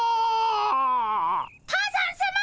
多山さま